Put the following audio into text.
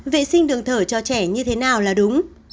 vệ sinh đường thở cho trẻ như thế nào là đúng